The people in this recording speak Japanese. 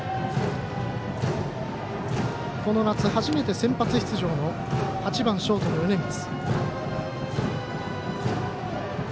この夏、初めて先発出場の８番、ショートの米満。